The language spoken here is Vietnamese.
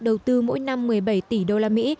đầu tư mỗi năm một mươi bảy tỷ đô la mỹ